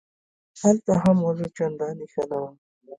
هلته هم وضع چندانې ښه نه وه.